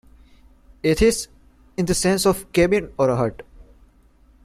"Athis" in the sense of "cabin or hut".